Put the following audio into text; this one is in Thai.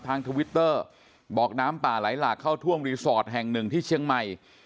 ทวิตเตอร์บอกน้ำป่าไหลหลากเข้าท่วมรีสอร์ทแห่งหนึ่งที่เชียงใหม่